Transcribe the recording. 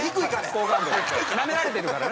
好感度がなめられてるからね。